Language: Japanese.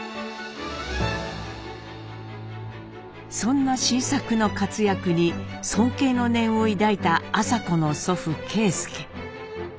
そんな新作の活躍に尊敬の念を抱いた麻子の祖父啓介。